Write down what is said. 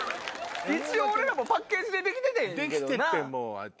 一応俺らもパッケージで出来ててんけどな。